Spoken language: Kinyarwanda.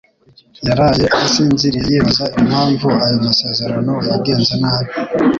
Yaraye adasinziriye yibaza impamvu ayo masezerano yagenze nabi